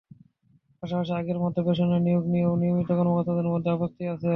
পাশাপাশি আগের মতো প্রেষণে নিয়োগ নিয়েও নিয়মিত কর্মকর্তাদের মধ্যে আপত্তি আছে।